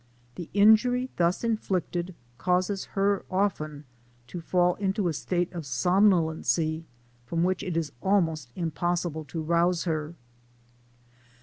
The injury thus inflicted causes her often to fall into a state of somnolency from which it is almost impossible to rouse her.